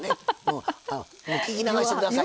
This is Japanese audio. もう聞き流して下さい。